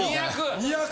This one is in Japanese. ・２００！